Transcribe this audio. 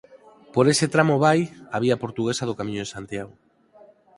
Por ese tramo vai a vía portuguesa do camiño de Santiago.